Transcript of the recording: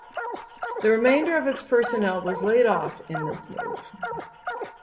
The remainder of its personnel was laid off in this move.